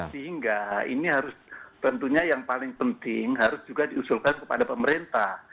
sehingga ini harus tentunya yang paling penting harus juga diusulkan kepada pemerintah